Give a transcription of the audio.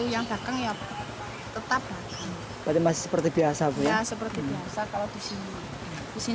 ya seperti biasa kalau di sini